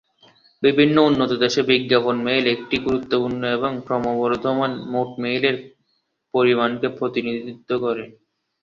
বিভিন্ন উন্নত দেশে বিজ্ঞাপন মেইল একটি গুরুত্বপূর্ণ এবং ক্রমবর্ধমান মোট মেইলের পরিমাণকে প্রতিনিধিত্ব করে।